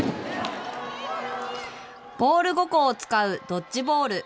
ボール５個を使うドッジボール。